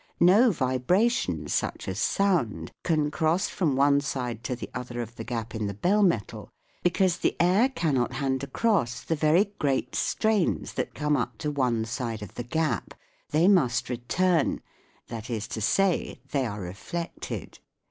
No vibration, such as sound, can cross from one side to the other of the gap in the bell metal, because the air cannot hand across the very great strains that come up to one side of the gap : they must return that is to say, they are reflected.